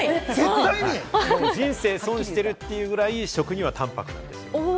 人生損してるというぐらい食には淡泊なんですよ。